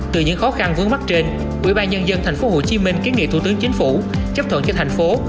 từ những khó khăn vướng mắt trên ubnd tp hcm kiến nghị thủ tướng chính phủ chấp thuận cho thành phố